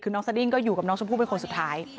คือน้องสดิ้งก็อยู่กับน้องชมพู่เป็นคนสุดท้าย